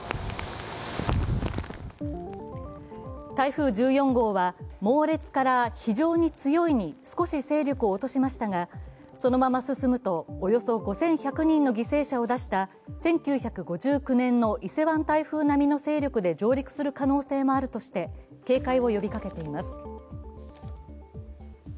台風１４号は「猛烈」から「非常に強い」に少し勢力を落としましたが、そのまま進むとおよそ５１００人の犠牲者を出した１９５９年の伊勢湾台風並みの勢力で上陸する可能性もあるとして警戒を呼びかけています。